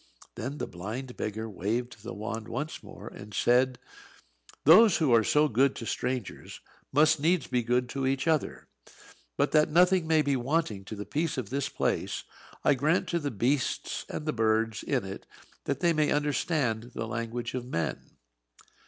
Then the blind beggar waved the wand once more and said; "Those who are so good to strangers must needs be good to each other. But that nothing may be wanting to the peace of this place, I grant to the beasts and birds in it that they may understand the language of men."